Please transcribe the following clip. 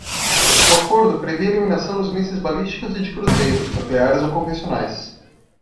O acordo previa a eliminação dos mísseis balísticos e de cruzeiro, nucleares ou convencionais.